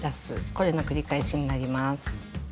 これの繰り返しになります。